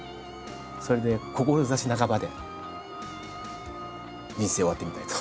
それで志半ばで人生終わってみたいと。